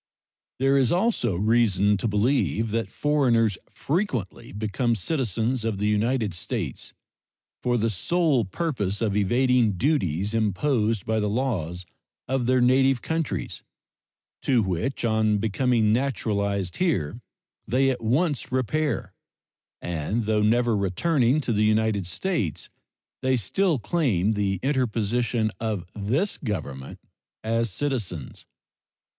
There is also reason to believe that foreigners frequently become citizens of the United States for the sole purpose of evading duties imposed by the laws of their native countries, to which on becoming naturalized here they at once repair, and though never returning to the United States they still claim the interposition of this Government as citizens.